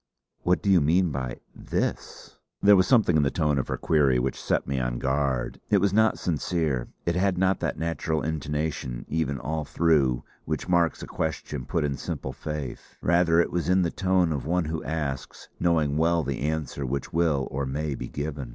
"What do you mean by 'this'?" There was something in the tone of her query which set me on guard. It was not sincere; it had not that natural intonation, even, all through, which marks a question put in simple faith. Rather was it in the tone of one who asks, knowing well the answer which will or may be given.